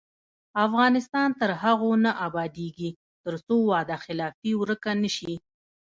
افغانستان تر هغو نه ابادیږي، ترڅو وعده خلافي ورکه نشي.